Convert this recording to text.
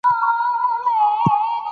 ټولنیز واقیعت د ټولنې د اصولو ملاتړ کوي.